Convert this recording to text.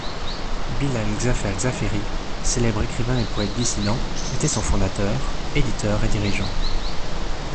Bilal Xhaferr Xhaferri célèbre écrivain et poète dissident, était son fondateur, éditeur et dirigeant.